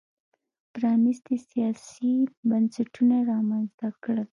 پرانیستي سیاسي بنسټونه رامنځته کړل.